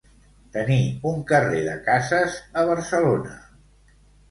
Tenir un carrer de cases a Barcelona.